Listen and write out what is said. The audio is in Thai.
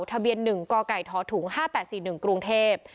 ทะเบียนหนึ่งกไก่ท้อถุง๕๘๔๑กรุงเทพฯ